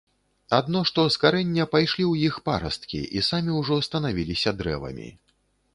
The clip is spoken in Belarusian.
Адно што з карэння пайшлі ў іх парасткі і самі ўжо станавіліся дрэвамі.